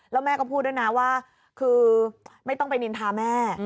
แล้วแม่ก็พูดด้วยนะว่าคือไม่ต้องไปนินทาแม่